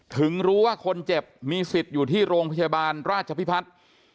ถึงรู้ว่าคนเจ็บมีสิทธิ์อยู่ที่โรงพยาบาลราชพิพัฒน์